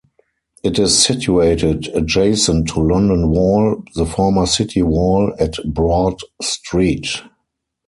It is situated adjacent to London Wall, the former city wall, at Broad Street.